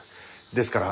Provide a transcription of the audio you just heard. ですから。